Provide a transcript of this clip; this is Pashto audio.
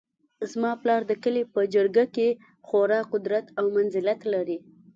زما پلار د کلي په جرګه کې خورا قدر او منزلت لري